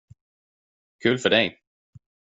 Kul för dig.